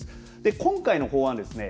今回の法案ですね